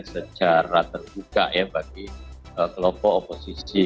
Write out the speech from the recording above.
secara terbuka ya bagi kelompok oposisi